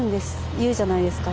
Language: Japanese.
いうじゃないですか。